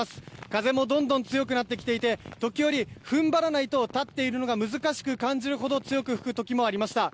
風もどんどん強くなってきていて時折、踏ん張らないと立っているのが難しく感じるほど強く吹く時もありました。